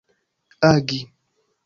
agi